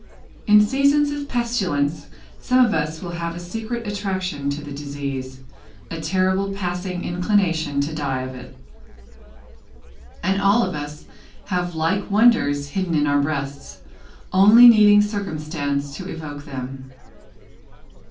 In seasons of pestilence, some of us will have a secret attraction to the disease a terrible passing inclination to die of it. And all of us have like wonders hidden in our breasts, only needing circumstances to evoke them.